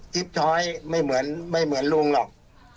ช้อยไม่เหมือนไม่เหมือนลุงหรอก